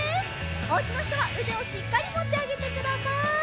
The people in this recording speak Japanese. おうちのひとはうでをしっかりもってあげてください。